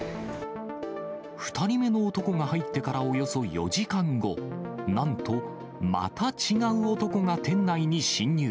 ２人目の男が入ってからおよそ４時間後、なんと、また違う男が店内に侵入。